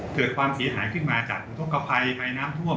เกิดความเสียหายขึ้นมาจากอุทธกภัยภัยน้ำท่วม